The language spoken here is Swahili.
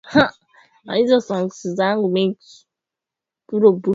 majivu yake yalitawanyika mwezi wa kumi